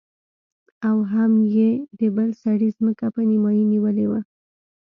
او هم يې د بل سړي ځمکه په نيمايي نيولې وه.